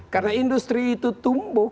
karena industri itu tumbuh